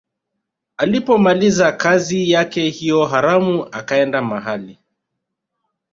Alipomaliza kazi yake hiyo haramu akaenda mahali